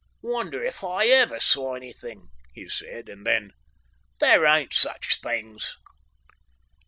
"Wonder if I ever saw anything," he said, and then: "There ain't such things...."